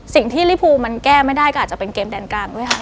สิ่งที่ริภูมันแก้ไม่ได้ก็อาจจะเป็นเกมแดนกลางด้วยค่ะ